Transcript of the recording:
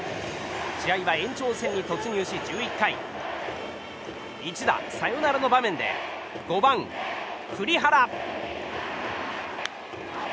試合は延長戦に突入し、１１回一打サヨナラの場面で５番、栗原。